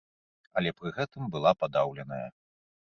Але пры гэтым была падаўленая.